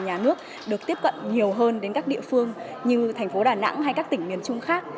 nhà nước được tiếp cận nhiều hơn đến các địa phương như thành phố đà nẵng hay các tỉnh miền trung khác